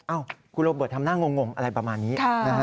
อ้าวคุณโบบอกทำหน้างงงงอะไรประมาณนี้